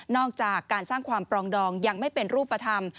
จากการสร้างความปรองดองยังไม่เป็นรูปธรรม